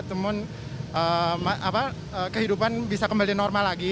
namun kehidupan bisa kembali normal lagi